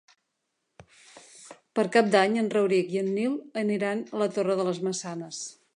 Per Cap d'Any en Rauric i en Nil aniran a la Torre de les Maçanes.